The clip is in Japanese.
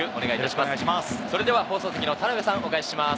放送席の田辺さん、お返しします。